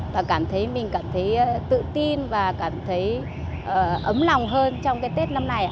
và cảm thấy mình cảm thấy tự tin và cảm thấy ấm lòng hơn trong tết năm nay